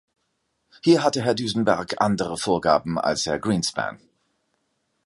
Hier hatte Herr Duisenberg andere Vorgaben als Herr Greenspan.